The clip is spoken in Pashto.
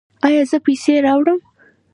ایا زه پیسې راوړم؟